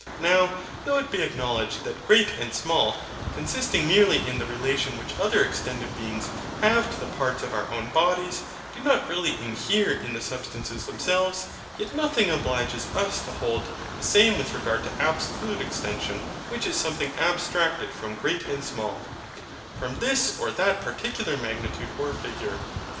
Now, though it be acknowledged that GREAT and SMALL, consisting merely in the relation which other extended beings have to the parts of our own bodies, do not really inhere in the substances themselves; yet nothing obliges us to hold the same with regard to ABSOLUTE EXTENSION, which is something abstracted from GREAT and SMALL, from this or that particular magnitude or figure.